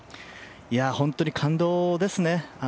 本当に感動ですね。